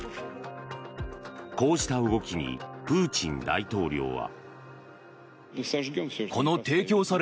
こうした動きにプーチン大統領は。